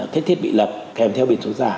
cái thiết bị lật kèm theo biển số giả